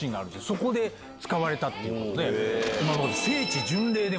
そこで使われたっていうことで。